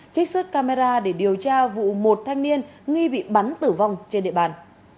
trích xuất camera để điều tra vụ một thanh niên nghi bị bắn tử vong trên địa bàn